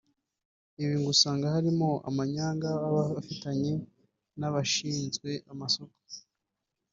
Ibi ngo usanga harimo amanyanga aba afitanye n’abashinzwe amasoko